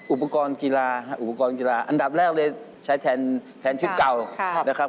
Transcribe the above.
อุปกรณ์กีฬาอันดับแรกเลยใช้แทนชุดเก่า